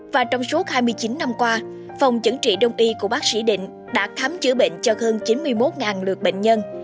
và trong suốt hai mươi chín năm qua phòng chẩn trị đông y của bác sĩ định đã khám chữa bệnh cho hơn chín mươi một lượt bệnh nhân